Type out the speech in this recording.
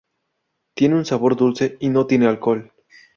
Tiene un sabor dulce y no tiene alcohol.